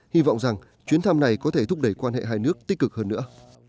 hy vọng rằng chuyến thăm này có thể thúc đẩy quan hệ hai nước tích cực hơn nữa